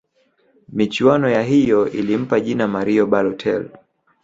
michuano ya hiyo ilimpa jina mario balotel